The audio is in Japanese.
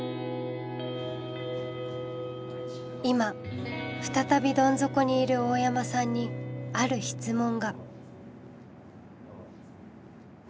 今再びドン底にいる大山さんにある質問が。